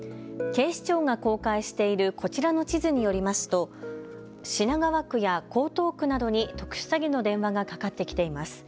警視庁が公開しているこちらの地図によりますと品川区や江東区などに特殊詐欺の電話がかかってきています。